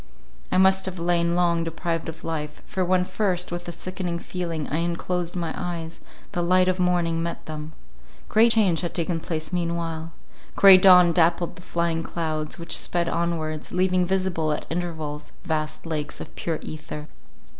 I must have lain long deprived of life; for when first, with a sickening feeling, I unclosed my eyes, the light of morning met them. Great change had taken place meanwhile: grey dawn dappled the flying clouds, which sped onwards, leaving visible at intervals vast lakes of pure ether.